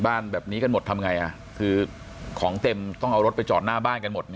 บ้านแบบนี้กันหมดทำไงคือของเต็มต้องเอารถไปจอดหน้าบ้านกันหมด